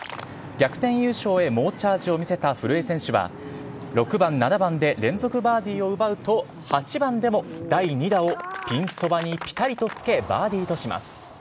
逆転優勝へ猛チャージを見せた古江選手は、６番、７番で連続バーディーを奪うと、８番でも第２打をピンそばにぴたりとつけ、バーディーとします。